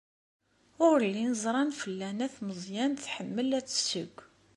Ur llin ẓran Fella n At Meẓyan tḥemmel ad tesseww.